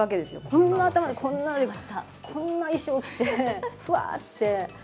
こんな頭で、こんな、こんな衣装着て、ふわーって。